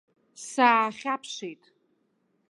Саахьаԥшит.